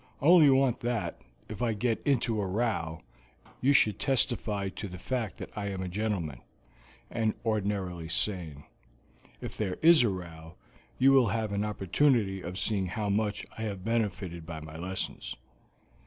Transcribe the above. I only want that, if I get into a row, you should testify to the fact that I am a gentleman, and ordinarily sane. If there is a row you will have an opportunity of seeing how much I have benefited by my lessons."